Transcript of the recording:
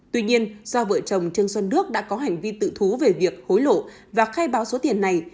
tuy nhiên do vợ chồng trương xuân đức đã có hành vi tự thú về việc hối lộ và khai báo số tiền này